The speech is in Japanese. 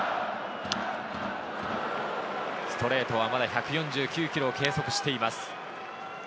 ストレートはまだ１４９キロを計測しています。